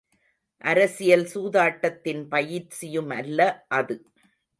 அரசியல் சூதாட்டத்தின் பயிற்சியுமல்ல அது.